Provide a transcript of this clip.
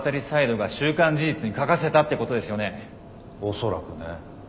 恐らくね。